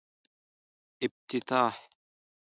افتتاح